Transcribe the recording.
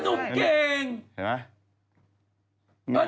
อนุมเกงเห็นไหม